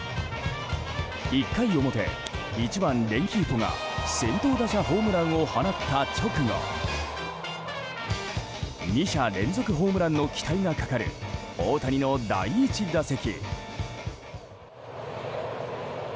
１回表、１番レンヒーフォが先頭打者ホームランを放った直後２者連続ホームランの期待がかかる大谷の第１打席。